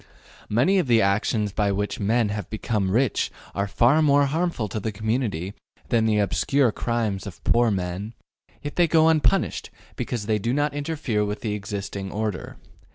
Many of the actions by which men have become rich are far more harmful to the community than the obscure crimes of poor men, yet they go unpunished because they do not interfere with the existing order.